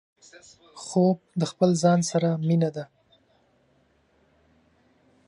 خوب د خپل ځان سره مينه ده